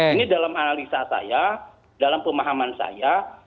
ini dalam analisa saya dalam pemahaman saya